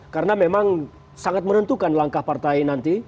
karena memang sangat menentukan langkah partai nanti